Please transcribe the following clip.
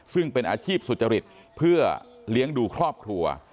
ซึ่งเป็นอาชีพสุจริตเพื่อเลี้ยงดูครอบครัว